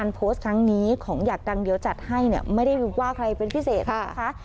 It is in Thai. โพสต์ครั้งนี้ของอยากดังเดี๋ยวจัดให้เนี่ยไม่ได้ว่าใครเป็นพิเศษนะคะ